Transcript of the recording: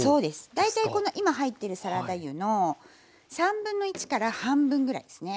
大体この今入ってるサラダ油の1/3から半分ぐらいですね。